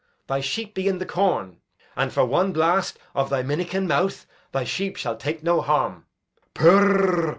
Thy sheep be in the corn; And for one blast of thy minikin mouth Thy sheep shall take no harm. Purr!